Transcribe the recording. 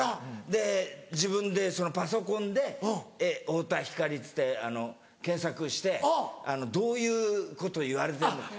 で自分でパソコンで「太田光」っつって検索してどういうこと言われてんのか。